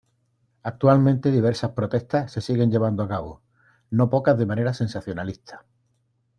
Actualmente diversas protestas se siguen llevando a cabo, no pocas de manera sensacionalista.